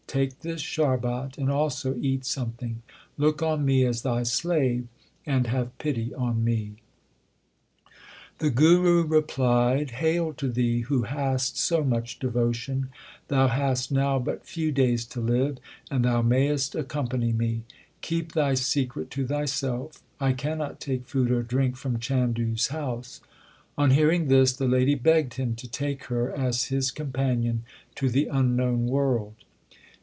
Take this sharbat and also eat something. Look on me as thy slave, and have pity on me/ SIKH. Ill j { 98 THE SIKH RELIGION The Guru replied, Hail to thee who hast so much devotion ! Thou hast now but few days to live and thou mayest accompany me. Keep thy secret to thyself. I cannot take food or drink from Chandu s house/ On hearing this, the lady begged him to take her as his companion to the unknown world.